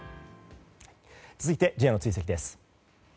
続いてＪの追跡です。